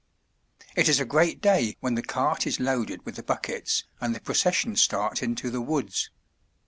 It is a great day when the cart is loaded with the buckets and the procession starts into the woods.